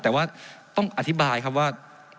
แต่ว่าต้องอธิบายครับว่า